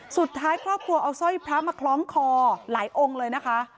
สุดท้ายครอบครัวเอาสร้อยพระมาคล้องคอหลายองค์เลยนะคะ